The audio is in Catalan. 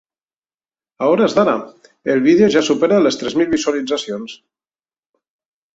A hores d’ara, el vídeo ja supera les tres mil visualitzacions.